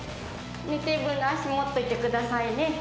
テーブルの脚持っといてくださいね。